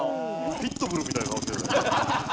ピットブルみたいな顔してた。